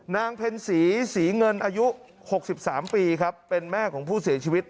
เพ็ญศรีศรีเงินอายุ๖๓ปีครับเป็นแม่ของผู้เสียชีวิต